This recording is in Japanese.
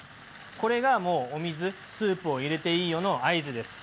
これがもうお水スープを入れていいよの合図です。